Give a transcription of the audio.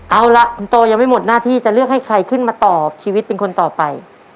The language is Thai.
เอาล่ะคุณโตยังไม่หมดหน้าที่จะเลือกให้ใครขึ้นมาต่อชีวิตเป็นคนต่อไป